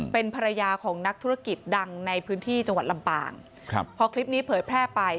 เป็นภรรยาของนักธุรกิจดังในพื้นที่จังหวัดลำปางครับพอคลิปนี้เผยแพร่ไป